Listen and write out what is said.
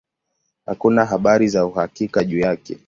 Hakuna habari za uhakika juu yake.